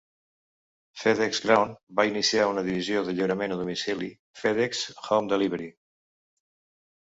Fed Ex Ground va iniciar una divisió de lliurament a domicili, Fed Ex Home Delivery.